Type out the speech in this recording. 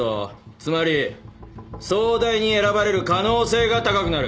つまり総代に選ばれる可能性が高くなる。